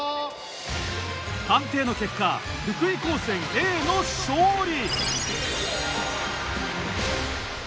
判定の結果福井高専Ａの勝利。